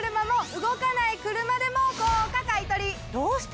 どうして？